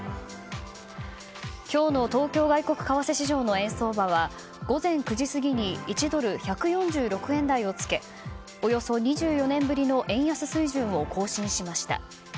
今日の東京外国為替市場の円相場は午前９時過ぎに１ドル＝１４６円台をつけおよそ２４年ぶりの円安水準を更新しました。